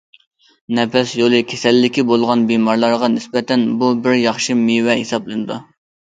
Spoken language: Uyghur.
نەپەس يولى كېسەللىكى بولغان بىمارلارغا نىسبەتەن بۇ بىر ياخشى مېۋە ھېسابلىنىدۇ.